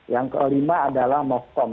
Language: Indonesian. yang kelima adalah mofcom